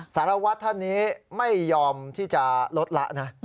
สารวัตรท่านนี้ไม่ยอมที่จะลดละนะ